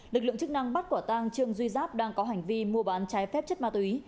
lực lượng chức năng bắt quả tang trương duy giáp đang có hành vi mua bán trái phép chất ma túy